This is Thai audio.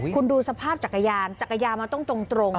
คุณดูสภาพจักรยานจักรยานมันต้องตรง